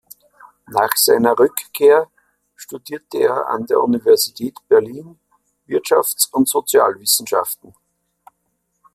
Nach seiner Rückkehr studierte er an der Universität Berlin Wirtschafts- und Sozialwissenschaften.